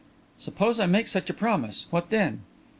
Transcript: "Suppose I make such a promise, what then?"